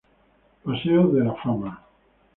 Paseo de la fama